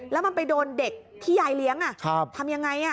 แล้วมันไปโดนเด็กที่ยายเลี้ยงทำยังไง